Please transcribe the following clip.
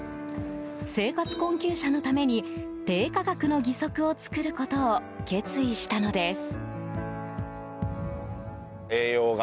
生活困窮者のために低価格の義足を作ることを決意したのです。